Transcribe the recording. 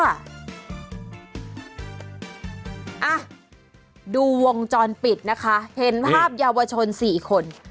อ่ะดูวงจรปิดนะคะเห็นภาพเยาวชนสี่คน